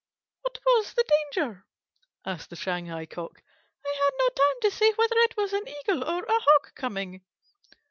"What was the danger?" asked the Shanghai Cock. "I had no time to see whether it was an Eagle or a Hawk coming."